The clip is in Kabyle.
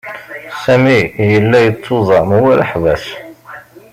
Sami yella yettuẓam war aḥbas.